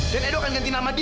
dan edo kan ganti nama dia